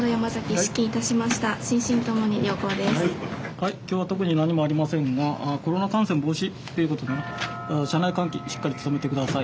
はい今日は特に何もありませんがコロナ感染防止ということで車内換気しっかり努めて下さい。